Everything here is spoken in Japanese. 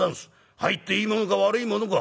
入っていいものか悪いものか